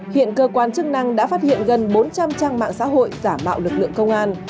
hiện cơ quan chức năng đã phát hiện gần bốn trăm linh trang mạng xã hội giả mạo lực lượng công an